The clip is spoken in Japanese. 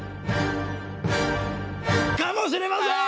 かもしれません！